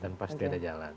dan pasti ada jalan